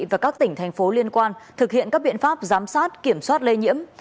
và các tỉnh thành phố liên quan thực hiện các biện pháp giám sát kiểm soát lây nhiễm